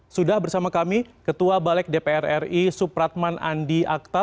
sudah bersama kami ketua balik dpr ri supratman andi akta